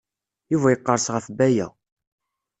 Yuba yeqres ɣef Baya.